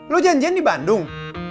lu janjian di bandung